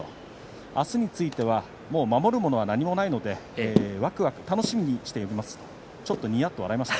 明日についてはもう守るものは何もないのでわくわく楽しみにしていますと言ってちょっとにやっと笑いました。